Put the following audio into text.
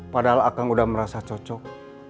padahal akan udah merasa cocok